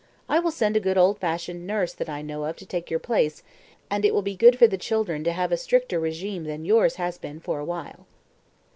I will send a good old fashioned nurse that I know of to take your place, and it will be good for the children to have a stricter regime than yours has been for a while."